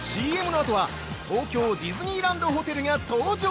◆ＣＭのあとは東京ディズニーランドホテルが登場！